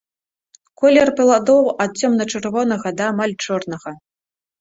Колер пладоў ад цёмна-чырвонага да амаль чорнага.